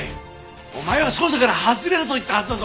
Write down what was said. お前は捜査から外れろと言ったはずだぞ。